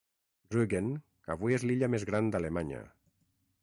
Rügen avui és l'illa més gran d'Alemanya.